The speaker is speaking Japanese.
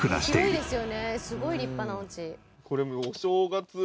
すごい立派なお家。